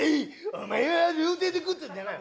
お前は料亭で食ってる」じゃない。